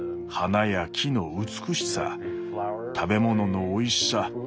花や木の美しさ食べ物のおいしさ。